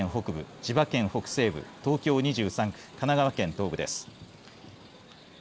千葉県北西部東京２３区、神奈川県東部です。